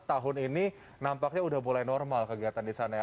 tahun ini nampaknya sudah mulai normal kegiatan di sana ya